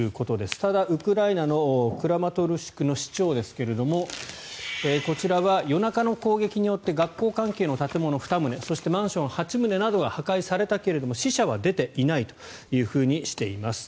ただ、ウクライナのクラマトルシクの市長ですがこちらは夜中の攻撃によって学校関係の建物２棟そしてマンション８棟などが破壊されたけれども死者は出ていないとしています。